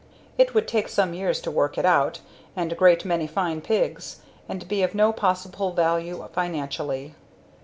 It would take some years to work it out, and a great many fine pigs, and be of no possible value financially.